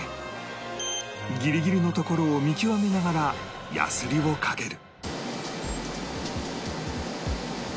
ギリギリのところを見極めながらヤスリをかける